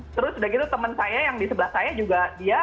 terus udah gitu temen saya yang di sebelah saya juga dia